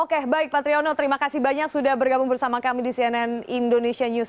oke baik pak triyono terima kasih banyak sudah bergabung bersama kami di cnn indonesia news